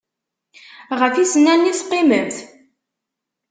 Ɣef yisennanen i teqqimemt?